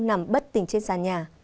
nằm bất tỉnh trên sàn nhà